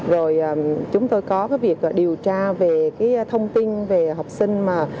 rồi chúng tôi có việc điều tra về thông tin về học sinh